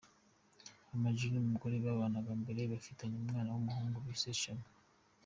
Ama G n’umugore babanaga mbere bafitanye umwana w’umuhungu bise Shami.